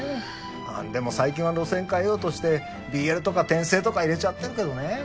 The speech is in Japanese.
ああでも最近は路線変えようとしてＢＬとか転生とか入れちゃってるけどね。